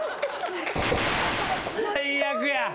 最悪や。